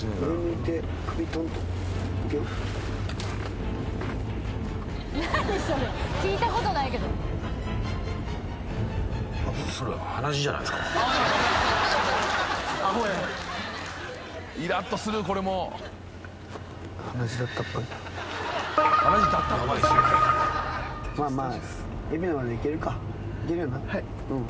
行けるよな？